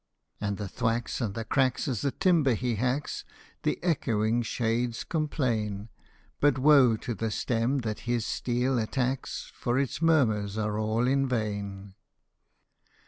At the thwacks and the cracks as the timber he hacks The echoing shades complain ; But woe to the stem that his steel attacks, For its murmurs are all in vain.